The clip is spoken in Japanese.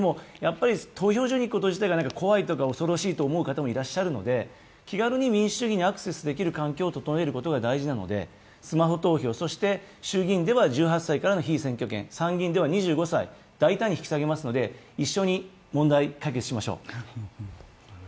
投票所に行くこと自体が怖い恐ろしいと思う方もいらっしゃるので気軽に民主主義にアクセスできる環境を整えることが大事なのでスマホ投票そして衆議院では１８歳からの被選挙権、参議院では２５歳、大胆に引き下げますので一緒に問題解決しましょう。